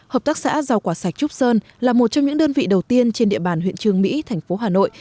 hợp tác xã giao quả sạch trúc sơn là một trong những đơn vị đầu tiên trên địa bàn huyện trường mỹ thành phố hà nội